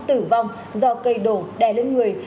tử vong do cây đổ đè lên người